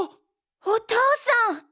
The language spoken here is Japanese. お父さん！